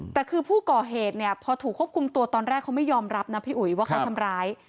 แต่คือผู้ก่อเหตุเนี่ยพอถูกควบคุมตัวตอนแรกเขาไม่ยอมรับนะพี่อุ๋ยว่าเขาทำร้าย